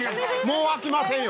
もうあきませんよ